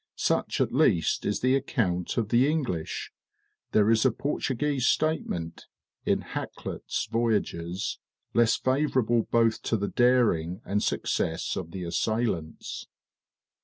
Such at least, is the account of the English; there is a Portuguese statement in "Hakluyt's Voyages," vol. iii., p. 525, less favorable both to the daring and success of the assailants.